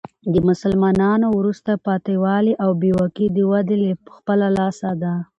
د مسلمانانو وروسته پاته والي او بي واکي د دوې له خپله لاسه ده.